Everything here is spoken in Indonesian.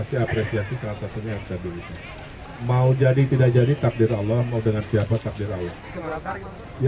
ini dikabari di hari ini